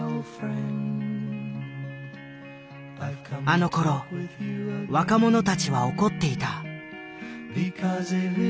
あのころ若者たちは怒っていた。